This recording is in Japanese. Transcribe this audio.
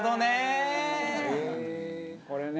これね。